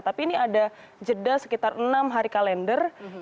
tapi ini ada jeda sekitar enam hari kalender